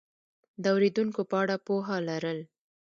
د اورېدونکو په اړه پوهه لرل